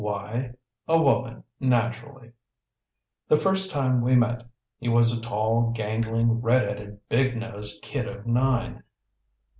Why? A woman, naturally. The first time we met, he was a tall, gangling, red headed, big nosed kid of nine.